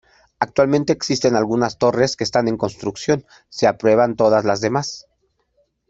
Actualmente, existen algunas torres que están en construcción, se aprueban todas las demás.